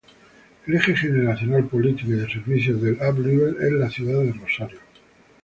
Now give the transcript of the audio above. El eje gerencial, político y de servicios del Up-River es la ciudad de Rosario.